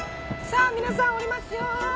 さぁ皆さん降りますよ。